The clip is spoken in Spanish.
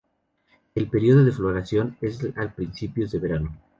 El período de floración es a principios de verano.